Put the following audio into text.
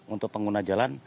untuk pengguna jalan